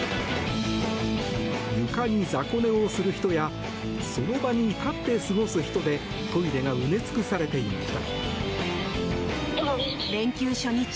床に雑魚寝をする人やその場に立って過ごす人でトイレが埋め尽くされていました。